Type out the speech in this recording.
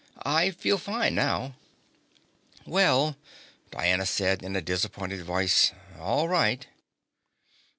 "I feel fine now." "Well," Diana said in a disappointed voice, "all right."